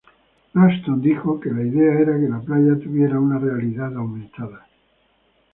Ralston dijo que “la idea era que la playa tuviera una realidad aumentada.